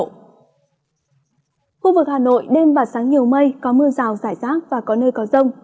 khu vực hà nội đêm và sáng nhiều mây có mưa rào rải rác và có nơi có rông